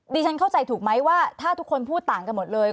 ฉันเข้าใจถูกไหมว่าถ้าทุกคนพูดต่างกันหมดเลย